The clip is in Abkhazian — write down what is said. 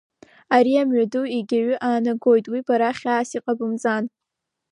Ари амҩаду егьаҩ аанагоит, уи бара хьаас иҟабымҵан…